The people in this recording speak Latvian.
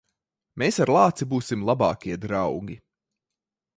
Mēs ar lāci būsim labākie draugi.